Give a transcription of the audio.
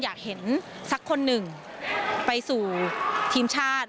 อยากเห็นสักคนหนึ่งไปสู่ทีมชาติ